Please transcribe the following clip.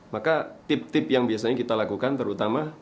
maka tip tip yang biasanya kita lakukan terutama